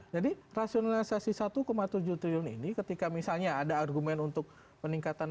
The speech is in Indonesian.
jadi rasionalisasi satu tujuh triliun ini ketika misalnya ada argumen untuk keuangan negara